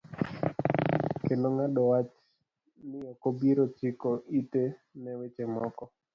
Kendo ng'ado wach ni okobiro chiko ite ne weche moko.